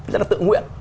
rất là tự nguyện